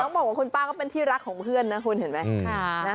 บอกว่าคุณป้าก็เป็นที่รักของเพื่อนนะคุณเห็นไหม